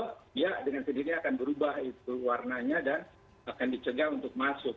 dia dengan sendirinya akan berubah itu warnanya dan akan dicegah untuk masuk